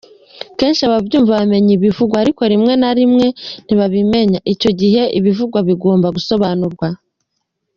Kenshi ababyumva bamenya ibivugwa, ariko rimwe na rimwe ntibabimenya, icyo gihe ibivugwa bigomba gusobanurwa.